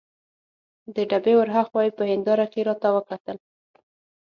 د ډبې ور هاخوا یې په هندارې کې راته وکتل.